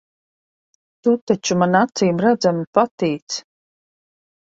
Tu taču man acīmredzami patīc.